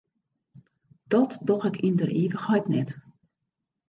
Dat doch ik yn der ivichheid net.